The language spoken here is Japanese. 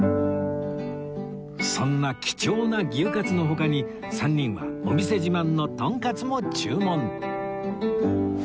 そんな貴重な牛かつの他に３人はお店自慢のとんかつも注文